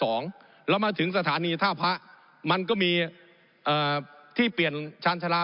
ผมอภิปรายเรื่องการขยายสมภาษณ์รถไฟฟ้าสายสีเขียวนะครับ